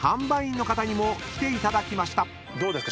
どうですか？